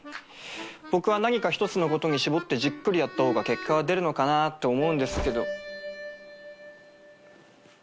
僕は何か一つのことに絞ってじっくりやった方が結果は出るのかなって思うんですけど。